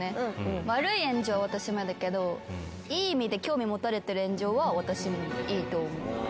私もあるけどいい意味で興味持たれてる炎上は私もいいと思う。